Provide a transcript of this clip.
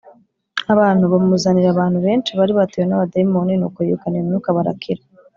abantu bamuzanira abantu benshi bari batewe n abadayimoni Nuko yirukana iyo myuka barakira.